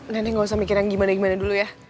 nenek gak usah mikir yang gimana gimana dulu ya